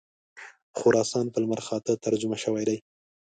خراسان په لمرخاته ترجمه شوی دی.